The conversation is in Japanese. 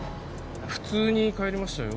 普通に帰りましたよ